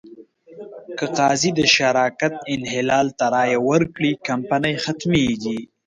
که قاضي د شرکت انحلال ته رایه ورکړي، کمپنۍ ختمېږي.